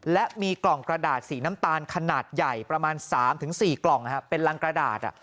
และมีกล่องกระดาษสีน้ำตาลขนาดใหญ่ประมาณ๓๔กล่องเป็นรังกระดาษ